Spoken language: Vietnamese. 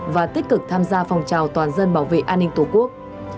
và tích cực tham gia phòng trào toàn dân bảo vệ an ninh tổ quốc